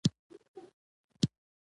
ژوند په خیال کي تېرومه راسره څو خاطرې دي